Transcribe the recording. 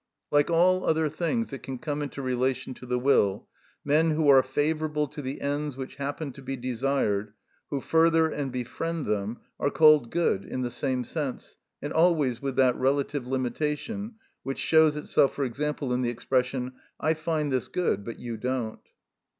Like all other things that can come into relation to the will, men who are favourable to the ends which happen to be desired, who further and befriend them, are called good, in the same sense, and always with that relative limitation, which shows itself, for example, in the expression, "I find this good, but you don't."